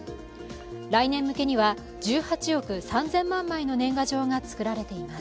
来年向けには１８億３０００万枚の年賀状が作られています。